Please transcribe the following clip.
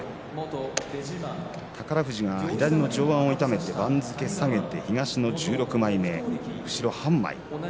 宝富士が左の上腕を痛めて番付を下げて東の１６枚目、後ろ半枚。